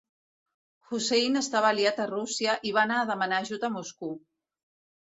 Hussein estava aliat a Rússia i va anar a demanar ajut a Moscou.